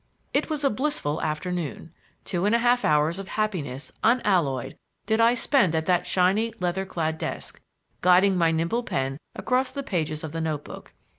It was a blissful afternoon. Two and a half hours of happiness unalloyed did I spend at that shiny, leather clad desk, guiding my nimble pen across the pages of the notebook.